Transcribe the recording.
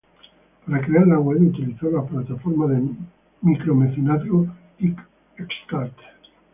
Para crear la web, utilizó la plataforma de micromecenazgo Kickstarter.